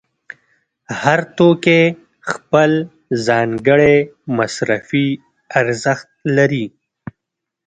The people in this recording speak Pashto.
هر توکی خپل ځانګړی مصرفي ارزښت لري